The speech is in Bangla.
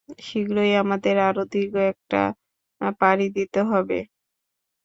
শীঘ্রই আমাদের আরো দীর্ঘ একটা পারি দিতে হবে।